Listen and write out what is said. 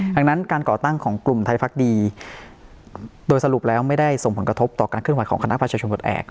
ดังนั้นการเกาะตั้งของกลุ่มไทยพักค์ดีโดยสรุปแล้วมันไม่ได้ส่งผลกระทบกับการขึ้นไหวของคณะประชาชนต่ออีก